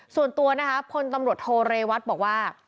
ส่วนตัวนะคะพลตำรวจโทเรวัตบอกว่า